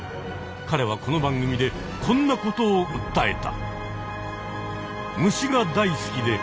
彼はこの番組でこんな事をうったえた。